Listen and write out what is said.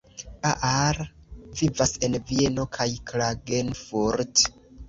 Baar vivas en Vieno kaj Klagenfurt.